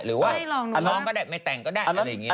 หรือว่าท้องก่อนแล้วไม่แต่งก็ได้